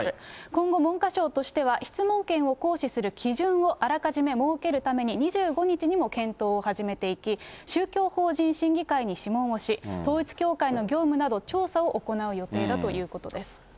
今後、文科省としては質問権を行使する基準をあらかじめ設けるために、２５日にも検討を始めていき、宗教法人審議会に諮問をし、統一教会の業務など調査を行う予定だということです。